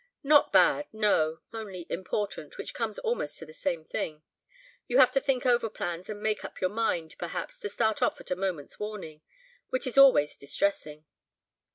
"Not bad, no! only important, which comes almost to the same thing. You have to think over plans and make up your mind, perhaps, to start off at a moment's warning, which is always distressing."